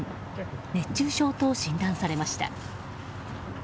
熱中症と診断されました。